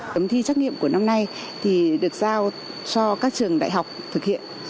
tấm thi trắc nghiệm của năm nay thì được giao cho các trường đại học thực hiện